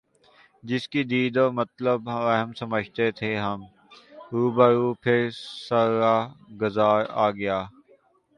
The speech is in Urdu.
جس کی دید و طلب وہم سمجھے تھے ہم رو بہ رو پھر سر رہ گزار آ گیا